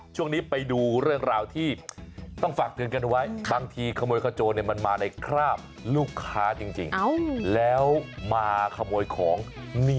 ช่วงนี้ไปดูเรื่องราวที่ต้องฝากเถินกันไว้